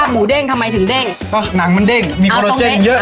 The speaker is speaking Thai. หนังมันเด้งมีคอโลเจนเยอะ